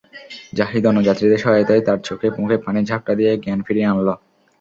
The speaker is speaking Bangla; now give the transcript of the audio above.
জাহিদ অন্য যাত্রীদের সহায়তায় তার চোখে মুখে পানির ঝাপটা দিয়ে জ্ঞান ফিরিয়ে আনল।